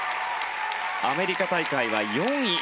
アメリカ大会は４位。